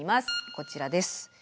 こちらです。